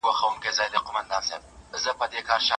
څوک به دي ستايي په چا به ویاړې؟